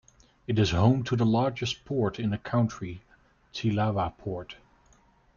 It is home to the largest port in the country, Thilawa port.